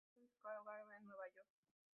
Madison Square Garden en Nueva York.